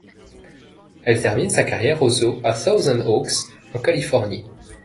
Elle termine sa carrière au zoo à Thousand Oaks, en Californie.